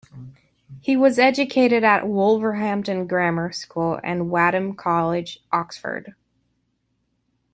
He was educated at Wolverhampton Grammar School and Wadham College, Oxford.